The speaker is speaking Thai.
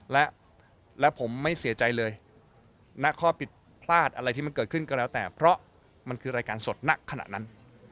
และผมไม่เสียใจเลยณข้อผิดพลาดอะไรที่มันเกิดขึ้นก็แล้วแต่เพราะมันคือรายการสดณขณะนั้น